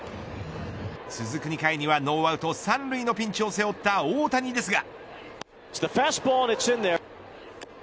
続く２回にはノーアウト３塁のピンチを背負った大谷ですが。